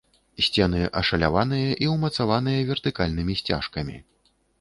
Сцены ашаляваныя і ўмацаваныя вертыкальнымі сцяжкамі.